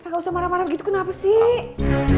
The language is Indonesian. gak usah marah marah gitu kenapa sih